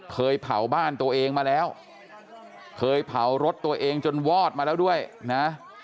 เคยเผาบ้านตัวเองมาแล้วเคยเผารถตัวเองจนวอดมาแล้วด้วยนะ